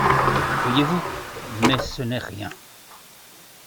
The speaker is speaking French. Voyez-vous ! Mais ce n'est rien.